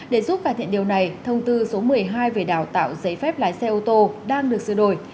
để giúp cải thiện điều này thông tư số một mươi hai về đào tạo giấy phép lái xe ô tô đang được sửa đổi